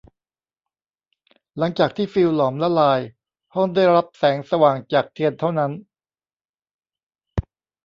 หลังจากที่ฟิวส์หลอมละลายห้องได้รับแสงสว่างจากเทียนเท่านั้น